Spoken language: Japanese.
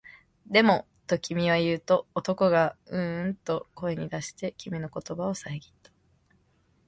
でも、と君は言うと、男がううんと声に出して、君の言葉をさえぎった